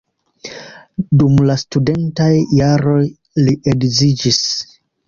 Dum la studentaj jaroj li edziĝis.